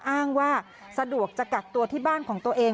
อ้างว่าสะดวกจะกักตัวที่บ้านของตัวเอง